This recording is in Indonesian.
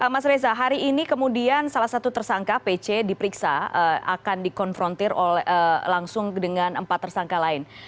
mas reza hari ini kemudian salah satu tersangka pc diperiksa akan dikonfrontir langsung dengan empat tersangka lain